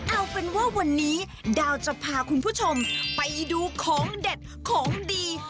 เอาเป็นว่าวันนี้ดาวจะพาคุณผู้ชมไปดูของเด็ดของดี